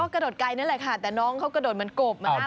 ก็กระโดดไกลนั่นแหละค่ะแต่น้องเขากระโดดมันกบมันน่ารักดี